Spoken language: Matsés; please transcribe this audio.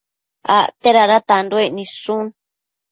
Acte dada tanduec nidshu